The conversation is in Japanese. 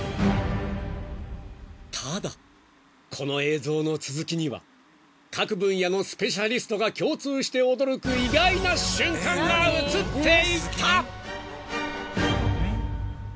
［ただこの映像の続きには各分野のスペシャリストが共通して驚く意外な瞬間が映っていた！］